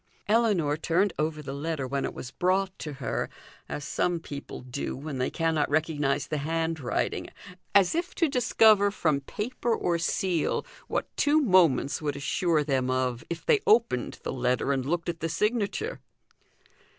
Ellinor turned over the letter when it was brought to her, as some people do when they cannot recognise the handwriting, as if to discover from paper or seal what two moments would assure them of, if they opened the letter and looked at the signature.